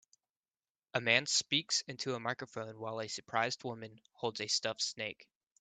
A man speaks into a microphone while a surprised woman holds a stuffed snake.